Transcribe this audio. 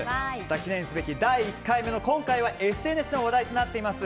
記念すべき第１回目の今回はＳＮＳで話題となっています